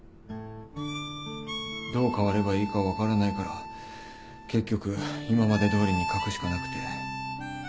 どう変わればいいか分からないから結局今までどおりに書くしかなくて。